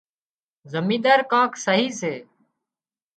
زمينۮار ڪوڪ سئي سي